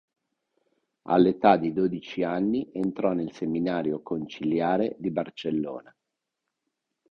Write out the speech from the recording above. All'età di dodici anni entrò nel seminario conciliare di Barcellona.